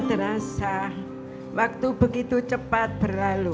terasa waktu begitu cepat berlalu